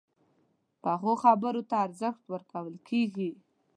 پخو خبرو ته ارزښت ورکول کېږي